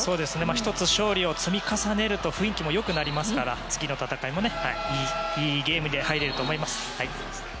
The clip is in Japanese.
１つ勝利を積み重ねると雰囲気も良くなりますから次の戦いもいいゲームで入れると思います。